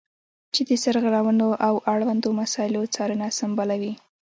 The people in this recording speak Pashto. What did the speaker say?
چې د سرغړونو او اړوندو مسایلو څارنه سمبالوي.